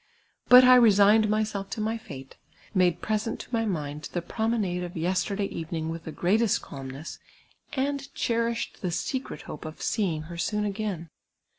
But I resigned myself to my fate, made present to my mind the promenade of yesterday evening with the greatest calmness, and cherished the secret hope of seeing her soon again.